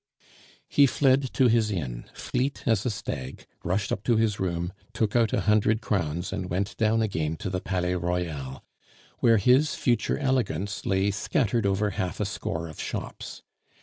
He fled to his inn, fleet as a stag, rushed up to his room, took out a hundred crowns, and went down again to the Palais Royal, where his future elegance lay scattered over half a score of shops.